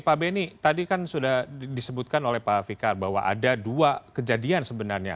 pak benny tadi kan sudah disebutkan oleh pak fikar bahwa ada dua kejadian sebenarnya